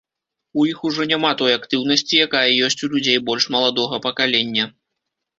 У іх ужо няма той актыўнасці, якая ёсць у людзей больш маладога пакалення.